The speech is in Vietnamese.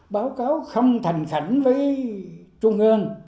báo cáo không thành khảnh với trung ơn